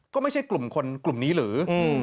ก็ไม่ใช่กลุ่มนี้หรือ